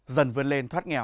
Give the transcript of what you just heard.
dần vươn lên thoát nghèo